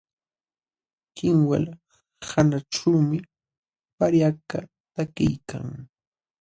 Kinwal hanaćhuumi paryakaq takiykan.